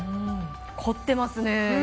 こっていますね。